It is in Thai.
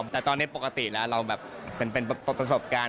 แต่ตอนนี้ปกติแล้วเราแบบเป็นประสบการณ์